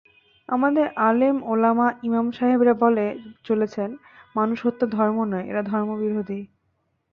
আমাদের আলেম-ওলামা-ইমাম সাহেবরা বলে চলেছেন, মানুষ হত্যা ধর্ম নয়, এরা ধর্মবিরোধী।